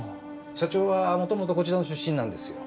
社長は元々こちらの出身なんですよ。